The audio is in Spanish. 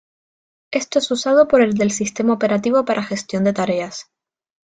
Esto es usado por el del sistema Operativo para gestión de tareas.